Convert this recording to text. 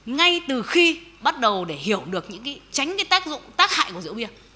ngay từ khi bắt đầu để hiểu được những cái tránh cái tác hại của rượu bia